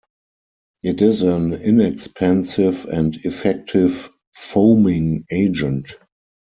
It is an inexpensive and effective foaming agent.